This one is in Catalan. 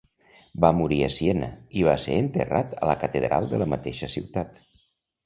Va morir a Siena i va ser enterrat a la catedral de la mateixa ciutat.